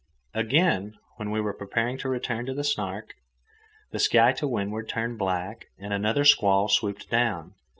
Again, when we were preparing to return to the Snark, the sky to windward turned black and another squall swooped down.